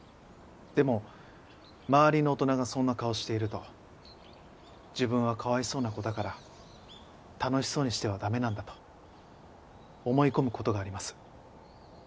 でも周りの大人がそんな顔をしていると自分はかわいそうな子だから楽しそうにしては駄目なんだと思い込む事があります。